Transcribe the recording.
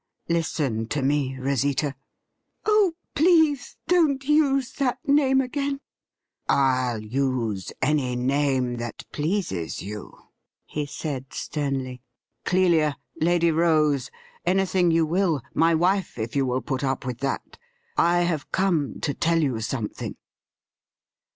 Listen to me, Rosita.' 220 THE RIDDLE RING ' Oh ! please don''t use that name again !'' ril use any name that pleases you,'' he said sternly ;' Clelia, Lady Rose — anjrthing you will — my wife, if you will put up with that. I have come to tell you something.'